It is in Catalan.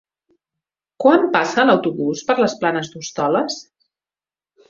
Quan passa l'autobús per les Planes d'Hostoles?